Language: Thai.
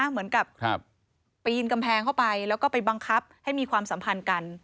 เหมือนกับปีนกำแพงเข้าไปแล้วก็ไปบังคับให้มีความสัมพันธ์กัน